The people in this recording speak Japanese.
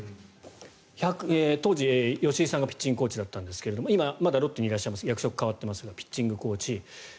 当時、吉井さんがピッチングコーチだったんですが今、まだロッテにいらっしゃいます役職変わっていますがピッチングコーチ。